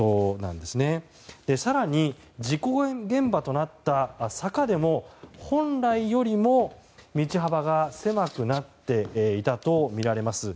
更に、事故現場となった坂でも本来よりも道幅が狭くなっていたとみられます。